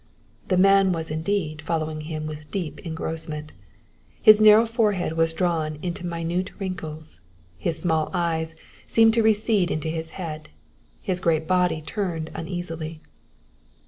The man was indeed following him with deep engrossment. His narrow forehead was drawn into minute wrinkles; his small eyes seemed to recede into his head; his great body turned uneasily.